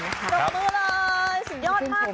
จบมือเลยสุดยอดมากเลย